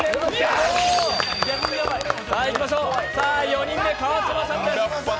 ４人目、川島さんです。